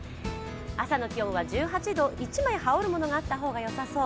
朝の気温は１８度、１枚羽織るものがあった方がよさそう。